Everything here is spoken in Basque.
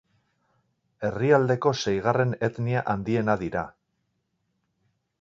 Herrialdeko seigarren etnia handiena dira.